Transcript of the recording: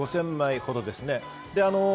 ５０００枚ほどです。